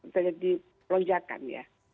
terjadi peronjakan ya